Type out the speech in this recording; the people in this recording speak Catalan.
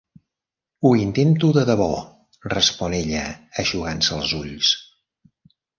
"Ho intento de debò", respon ella, eixugant-se els ulls.